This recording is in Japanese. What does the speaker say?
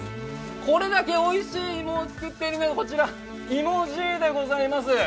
これだけおいしい芋を作っているのがこちら、芋爺でございます。